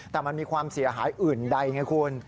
แต่มันมีความเสียหายอื่นใดไงคุณ